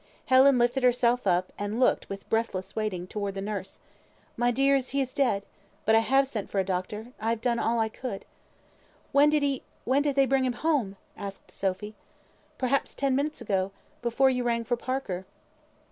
Helen lifted herself up, and looked, with breathless waiting, towards nurse. "My dears, he is dead! But I have sent for a doctor. I have done all I could." "When did he when did they bring him home?" asked Sophy. "Perhaps ten minutes ago. Before you rang for Parker."